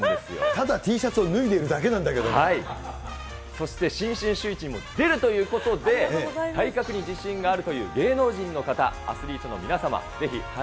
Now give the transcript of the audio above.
ただ、Ｔシャツを脱いでいるそして新春シューイチにも出るということで、体格に自信があるという芸能人の方、アスリートの皆様、ぜひ、＃